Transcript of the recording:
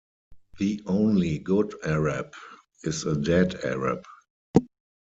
The only good Arab is a dead Arab.